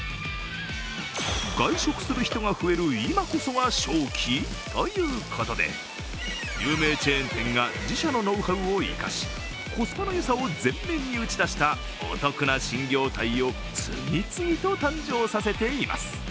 外食する人が増える今こそが勝機ということで有名チェーン店が自社のノウハウを生かし、コスパのよさを前面に打ち出したお得な新業態を次々と誕生させています。